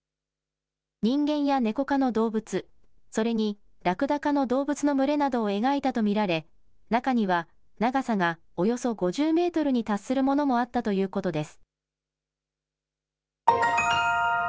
人間やネコ科の動物、それにラクダ科の動物の群れなどを描いたと見られ中には長さがおよそ５０メートルに達するものもあったということです。